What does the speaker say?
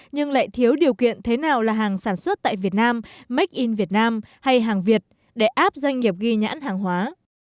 nhưng lại thiếu điều kiện thế nào là hàng sản xuất tại việt nam make in việt nam hay hàng việt để áp doanh nghiệp ghi nhãn hàng hóa